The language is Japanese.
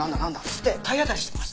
つって体当たりしてきます。